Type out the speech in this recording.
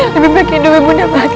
lebih baik hidup ibu undang pergi